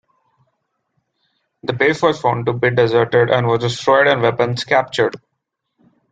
The base was found to be deserted and was destroyed and weapons captured.